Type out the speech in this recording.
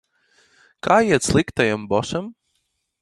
Kā iet sliktajam bosam?